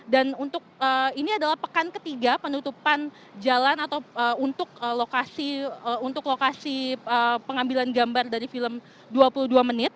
dan ini adalah pekan ketiga penutupan jalan atau untuk lokasi pengambilan gambar dari film dua puluh dua menit